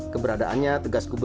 keberadaannya tegas gubernur